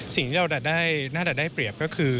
สิ่งที่เราได้เปรียบก็คือ